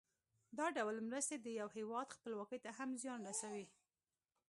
دا ډول مرستې د یو هېواد خپلواکۍ ته هم زیان رسوي.